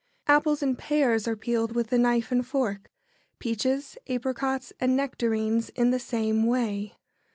] Apples and pears are peeled with the knife and fork; peaches, apricots, and nectarines in the same way.